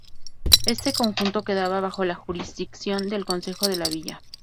Este conjunto quedaba bajo la jurisdicción del concejo de la villa.